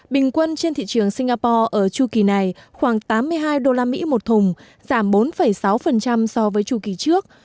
bình quân trên thị trường singapore ở chu kỳ này khoảng tám mươi hai usd một thùng giảm bốn sáu so với chu kỳ trước